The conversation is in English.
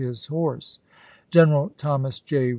his horse. General Thomas J.